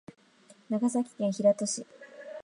長崎県平戸市